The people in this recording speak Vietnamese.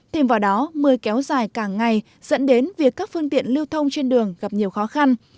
thêm vào đó mưa kéo dài cả ngày dẫn đến việc các phương tiện lưu thông trên đường gặp nhiều khó khăn